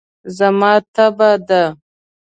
زما تبه ده.